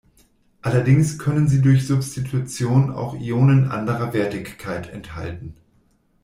Allerdings können sie durch Substitution auch Ionen anderer Wertigkeit enthalten.